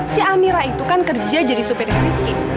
si amira itu kan kerja jadi supir riskin